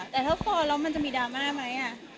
แต่ถ้าฟอร์แล้วมันจะมีดราม่าไหม